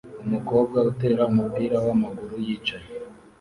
Umukobwa utera umupira wamaguru yicaye